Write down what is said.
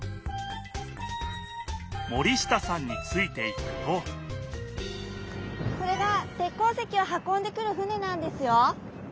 森下さんについていくとこれが鉄鉱石を運んでくる船なんですよ。